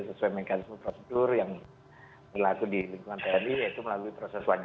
sesuai mekanisme prosedur yang berlaku di lingkungan tni yaitu melalui proses wajar